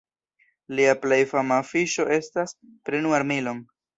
Lia plej fama afiŝo estas "Prenu armilon!".